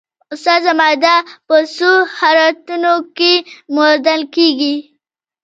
استاده ماده په څو حالتونو کې موندل کیږي